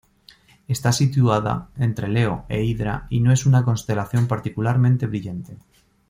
Está situada entre Leo e Hydra y no es una constelación particularmente brillante.